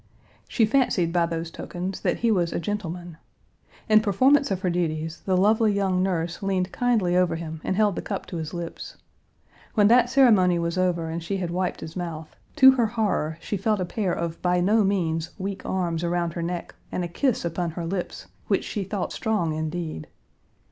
She fancied by those tokens that he was a gentleman. In performance of her duties, the lovely young nurse leaned kindly over him and held the cup to his lips. When that ceremony was over and she had wiped his mouth, to her horror she felt a pair of by no means weak arms around her neck and a kiss upon her lips, which she thought strong, indeed.